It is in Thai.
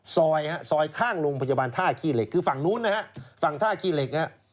ซอยฮะซอยข้างโรงพยาบาลท่าขี้เหล็กคือฝั่งนู้นนะฮะฝั่งท่าขี้เหล็กฮะ